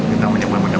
kita menyebut pendapatan